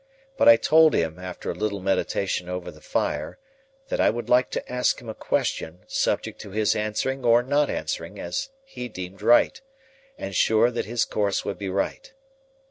But I told him, after a little meditation over the fire, that I would like to ask him a question, subject to his answering or not answering, as he deemed right, and sure that his course would be right.